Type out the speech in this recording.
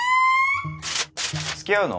付き合うの？